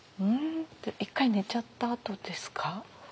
１回寝ちゃったあとですか？